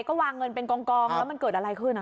ก็วางเงินเป็นกองแล้วมันเกิดอะไรขึ้น